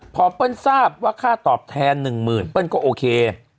พอเปิ้ลทราบว่าค่าตอบแทน๑หมื่นเปิ้ลก็โอเค